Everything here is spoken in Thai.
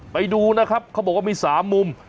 ไปดูนะครับเขาบอกว่ามี๓มุม